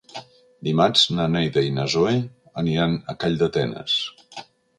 Dimarts na Neida i na Zoè aniran a Calldetenes.